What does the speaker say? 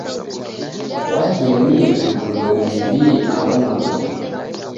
Waghemie putu ndouiw'ie agho magome.